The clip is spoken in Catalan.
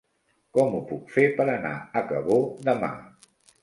Com ho puc fer per anar a Cabó demà?